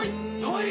はい！？